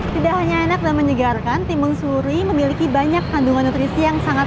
tidak hanya enak dan menyegarkan timun suri memiliki banyak kandungan nutrisi yang sangat